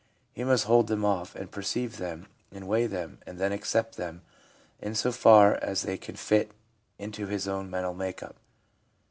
He must hold them off, and perceive them and weigh them, and then accept them in so far as they can fit into his own mental make up.